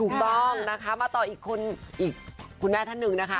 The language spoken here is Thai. ถูกต้องนะคะมาต่ออีกคุณแม่ท่านหนึ่งนะคะ